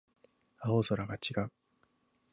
青空が違う